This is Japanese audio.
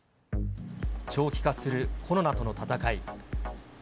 長期化するコロナとの闘い。